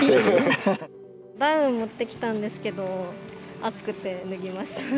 ダウン持ってきたんですけど、暑くて脱ぎました。